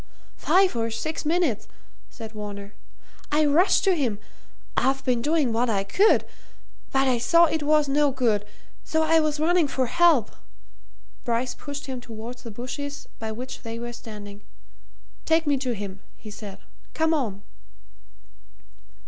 "Five or six minutes," said Varner. "I rushed to him I've been doing what I could. But I saw it was no good, so I was running for help " Bryce pushed him towards the bushes by which they were standing. "Take me to him," he said. "Come on!"